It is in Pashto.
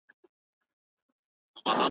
څوک چې زما بد کوي ډېر بد به کوينه